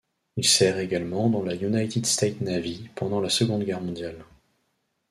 Il sert également dans la United States Navy pendant la Seconde Guerre mondiale.